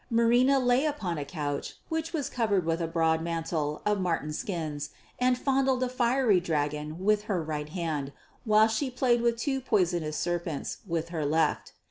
Marina lay upon a couch which was covered with a broad mantle of marten skins and fondled a fiery dragon with her right hand, while she played with two poisonous serpents with her left.